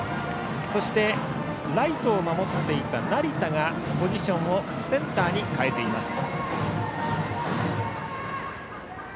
そしてライトを守っていた成田がポジションをセンターに変えています。